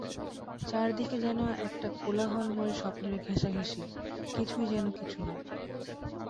চারিদিকে যেন একটা কোলাহলময় স্বপ্নের ঘেঁষাঘেঁষি– কিছুই যেন কিছু নয়।